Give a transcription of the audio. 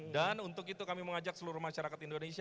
dan untuk itu kami mengajak seluruh masyarakat indonesia